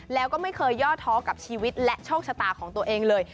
แล้วก็ไม่เคยย่อท้อกับชีวิตและโชคชะตาของตัวเองเลย